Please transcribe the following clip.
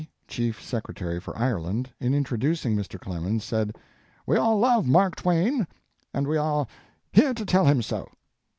Chief Secretary for Ireland, in introducing Mr. Clemens said: "We all love Mark Twain, and we are here to tell him so.